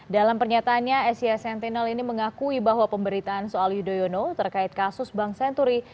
dalam pernyataannya asia sentinel ini mengakui bahwa pemberitaan soal yudhoyono terkait kasus bank senturi